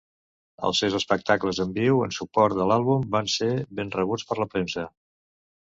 Els seus espectacles en viu en suport de l'àlbum van ser ben rebuts per la premsa.